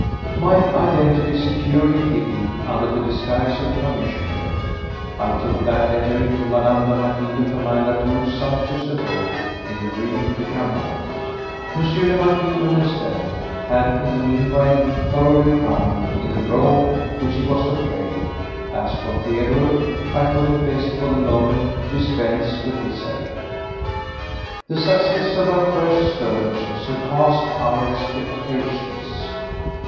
My identity securely hidden under the disguise of a commissionnaire, I took that letter to Mme. la Marquise de Firmin Latour's sumptuous abode in the Rue de Grammont. M. le Marquis, you understand, had in the meanwhile been thoroughly primed in the rôle which he was to play; as for Theodore, I thought it best for the moment to dispense with his aid. The success of our first skirmish surpassed our expectations.